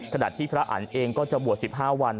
ขณะที่พระอันต์เองก็จะบวช๑๕วัน